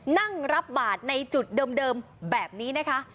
นั่งรับบาทในจุดเดิมแบบนี้นะคะ